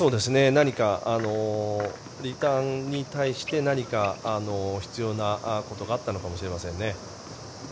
何かリターンに対して何か必要なことがあったのかもしれませんね。